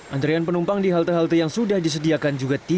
antrian penumpang di halte halte yang sudah disediakan juga